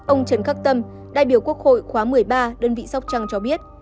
ông trần khắc tâm đại biểu quốc hội khóa một mươi ba đơn vị sóc trăng cho biết